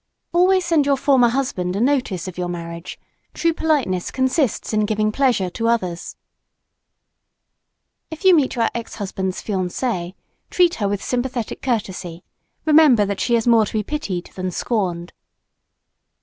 Always send your former husband a notice of your marriage; true politeness consists in giving pleasure to others. If you meet your ex husband's fiancée, treat her with sympathetic courtesy. Remember that she is more to be pitied than scorned.